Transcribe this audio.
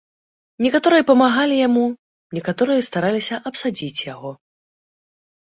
Некаторыя памагалі яму, некаторыя стараліся абсадзіць яго.